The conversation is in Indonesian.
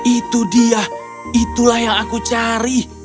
itu dia itulah yang aku cari